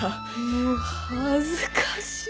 もう恥ずかしい。